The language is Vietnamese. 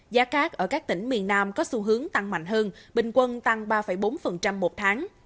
giá cát ở các tỉnh miền nam có xu hướng tăng mạnh hơn bình quân tăng ba bốn một tháng